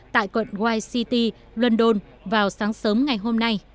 tại quận wise city london vào sáng sớm ngày hôm nay